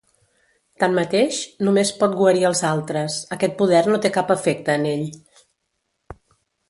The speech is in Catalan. Tanmateix, només pot guarir els altres, aquest poder no té cap efecte en ell.